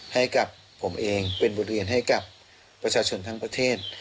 ให้กับผมเองเป็นบทเรียนให้กับประชาชนทั้งประเทศ